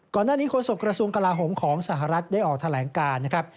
ก่อนหน้านี้คนศพกระทรวงกลาหงของสหรัฐได้ออกแถลงการ